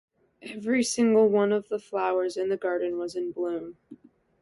Every single one of the flowers in the garden was in bloom.